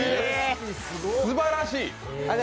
すばらしい！